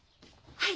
はい。